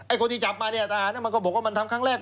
คนที่จับมาเนี่ยทหารมันก็บอกว่ามันทำครั้งแรก